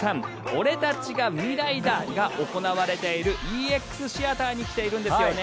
俺たちがミライだ！！が行われているＥＸＴＨＥＡＴＥＲに来ているんですよね。